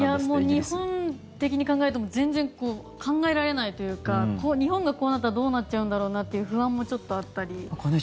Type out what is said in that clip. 日本的に考えると全然考えられないというか日本がこうなったらどうなっちゃうんだろうなという不安もちょっとあったりしますね。